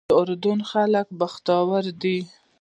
د اردن خلک بختور دي.